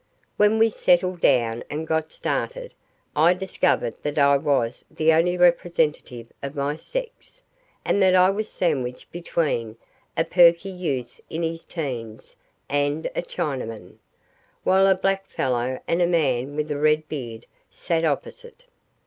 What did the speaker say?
When we settled down and got started, I discovered that I was the only representative of my sex, and that I was sandwiched between a perky youth in his teens and a Chinaman, while a black fellow and a man with a red beard sat opposite.